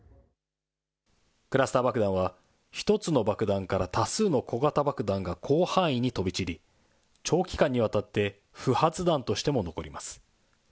クラスター爆弾は、１つの爆弾から多数の小型爆弾が広範囲に飛び散り、長期間にわたって不発弾としても残ります。